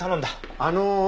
あの。